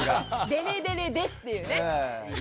デレデレですっていうね。